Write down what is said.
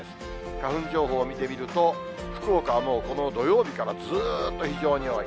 花粉情報を見てみると、福岡はもうこの土曜日から、ずっと非常に多い。